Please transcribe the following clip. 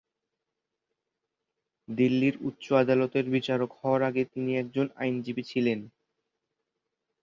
দিল্লির উচ্চ আদালতের বিচারক হওয়ার আগে তিনি একজন আইনজীবী ছিলেন।